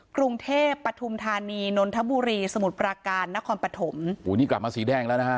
กรุงเทพปฐุมธานีนนทบุรีสมุทรปราการนครปฐมอุ้ยนี่กลับมาสีแดงแล้วนะฮะ